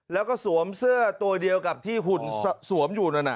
แล้วก็สวมเสื้อตัวเดียวกับที่หุ่นสวมอยู่นั่นน่ะ